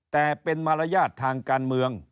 แต่เป็นมารยาททางการเมือง